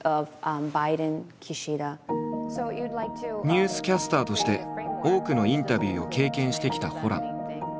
ニュースキャスターとして多くのインタビューを経験してきたホラン。